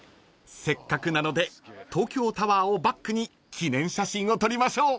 ［せっかくなので東京タワーをバックに記念写真を撮りましょう］